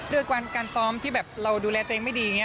ด้วยการซ้อมที่แบบเราดูแลตัวเองไม่ดีอย่างนี้